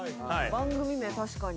番組名確かに。